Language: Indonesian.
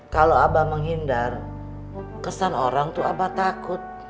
kalau abah menghindar kesan orang itu abah takut